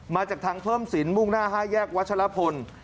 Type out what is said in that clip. มาจากทางเพิ่มสินมุ่งหน้า๕แยกวัชลพล